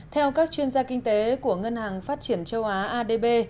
theo các chuyên gia kinh tế của ngân hàng phát triển châu á adb